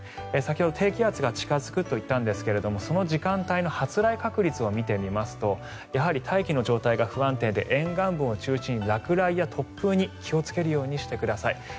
先ほど低気圧が近付くと言ったんですがその時間帯の発雷確率を見てみますとやはり大気の状態が不安定で沿岸部を中心に落雷や突風に気をつけるようにしてください。